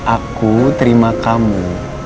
aku terima kamu